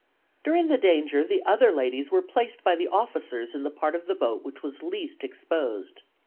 During the danger the other ladies were placed by the officers in the part of the boat which was least exposed.